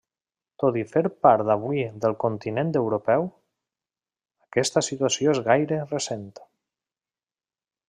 Tot i fer part avui del continent europeu, aquesta situació és gaire recent.